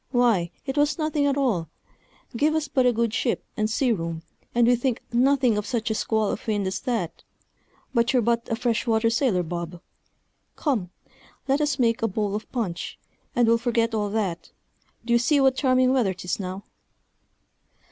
why, it was nothing at all; give us but a good ship and sea room, and we think nothing of such a squall of wind as that; but you're but a fresh water sailor, Bob. Come, let us make a bowl of punch, and we'll forget all that; d'ye see what charming weather 'tis now?"